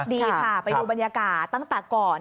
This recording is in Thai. ดีค่ะไปดูบรรยากาศตั้งแต่ก่อน